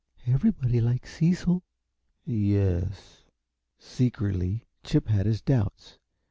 "Everybody likes Cecil." "Yes?" Secretly, Chip had his doubts.